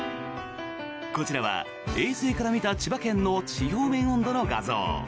こちらは衛星から見た千葉県の地表面温度の画像。